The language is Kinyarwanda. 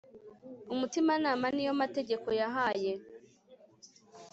umutima-nama ni yo mategeko yahaye